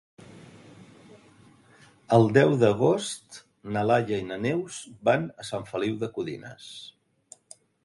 El deu d'agost na Laia i na Neus van a Sant Feliu de Codines.